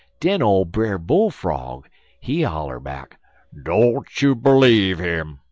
"Den ole Brer Bull Frog, he holler back: 'Don' you ber lieve 'im!